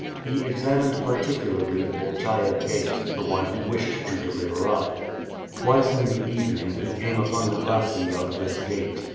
He examined particularly the Bolchaia Gate, the one he wished to deliver up. Twice in the evening he came upon the glacis of this gate.